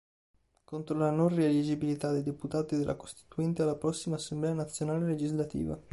Contro la non-rieliggibilità dei deputati della Costituente alla prossima Assemblea Nazionale legislativa.